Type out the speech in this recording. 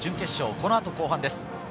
この後、後半です。